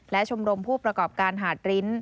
และชมรมผู้ประกอบการหาดริ้น